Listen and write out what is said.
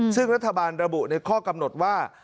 ซึ่งรัฐบาลระบุในข้อกำหนดว่า